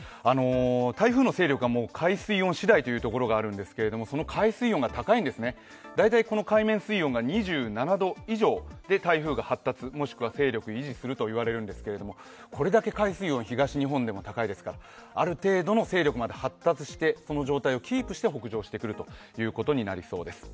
台風の勢力は海水温次第というところがあるんですが、その海水温が高いんですね大体、海面水温が２７度以上で台風が発達もしくは勢力を維持すると言われるんですけどこれだけ海水温、東日本でも高いですから、ある程度の勢力まで発達してこの状態をキープして北上してくるということになりそうです。